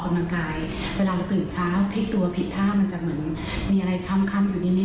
ก็แม้ว่ามีร่วมแพ้มันถื้อเหมือนจะข้ามคล่ำ